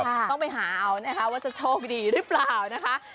ต้องไปหาเอานะคะว่าจะโชคดีหรือเปล่านะคะ